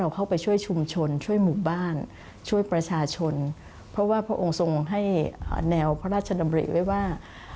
เพื่อช่วยประชาชนเพราะว่าพระองค์ทรงให้แนวพระราชดำริไว้ว่า